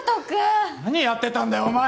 何やってたんだよお前！